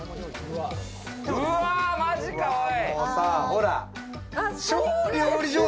うわ、マジかい！